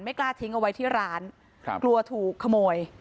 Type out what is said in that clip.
กล้าทิ้งเอาไว้ที่ร้านครับกลัวถูกขโมย